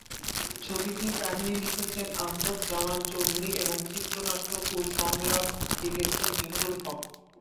ছবিটির কাহিনী লিখেছেন আহমদ জামান চৌধুরী এবং চিত্রনাট্য ও সংলাপ লিখেছেন জহিরুল হক।